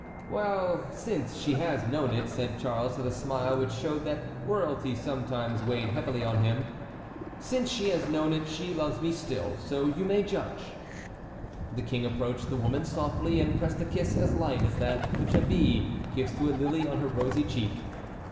"Well, since she has known it," said Charles, with a smile which showed that royalty sometimes weighed heavily on him, "since she has known it she loves me still; so you may judge." The King approached the woman softly and pressed a kiss as light as that which a bee gives to a lily on her rosy cheek.